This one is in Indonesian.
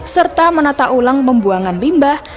serta menata ulang pembuangan limbah